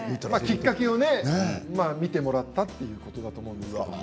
きっかけを見てもらったということだと思うんですけれど。